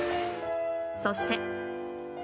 そして。